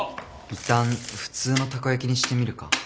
いったん普通のたこやきにしてみるか？